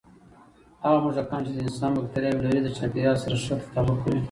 هغه موږکان چې د انسان بکتریاوې لري، د چاپېریال سره ښه تطابق کوي.